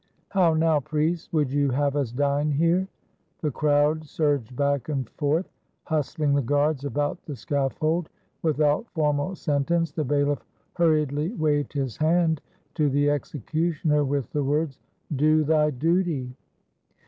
"How now, priests, would you have us dine here? " The crowd surged back and forth, hustling the guards about the scaffold. Without formal sentence, the bailiff hur riedly waved his hand to the executioner, with the words, "Do thy duty."